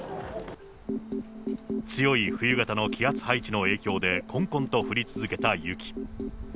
強い冬型の気圧配置の影響でこんこんと降り続けた雪。